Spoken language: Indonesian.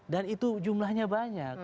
dan itu jumlahnya banyak